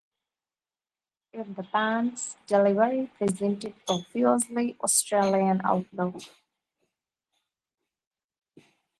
Yet, the band's delivery presented a fiercely Australian outlook.